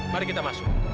mari kita masuk